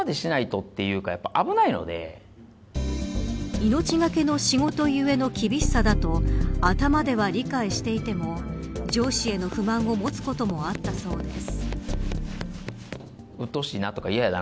命がけの仕事ゆえの厳しさだと頭では理解していても上司への不満を持つこともあったそうです。